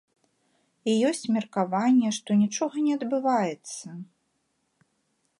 І ёсць меркаванне, што нічога не адбываецца.